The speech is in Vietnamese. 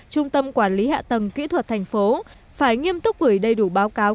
trung tâm quản lý hạ tầng kỹ thuật thành phố phải nghiêm túc gửi đầy đủ báo cáo